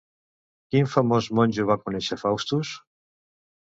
Quin famós monjo va conèixer Faustus?